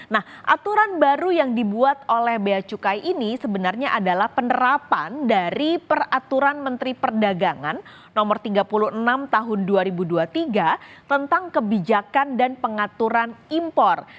nah aturan baru yang dibuat oleh bea cukai ini sebenarnya adalah penerapan dari peraturan menteri perdagangan no tiga puluh enam tahun dua ribu dua puluh tiga tentang kebijakan dan pengaturan impor